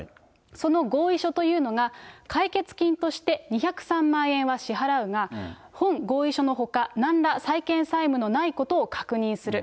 その合意書というのが、解決金として２０３万円は支払うが、本合意書のほか、なんら債権債務のないことを確認する。